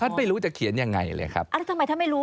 ท่านไม่รู้จะเขียนอย่างไรเลยครับอะไรทำไมท่านไม่รู้